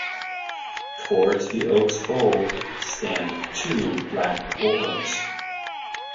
Towards the oak's bole stand two black boars.